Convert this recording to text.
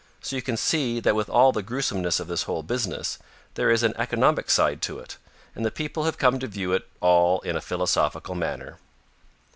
So you can see that with all the gruesomeness of this whole business, there is an economic side to it, and the people have come to view it all in a philosophical manner.